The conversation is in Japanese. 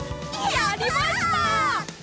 やりました！